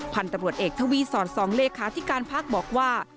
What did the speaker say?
พันธบรวจเอกทวีสอน๒เลขาธิการภักดิ์บอกว่า